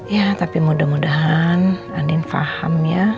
ya tapi mudah mudahan andin faham ya